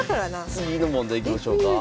次の問題いきましょうか？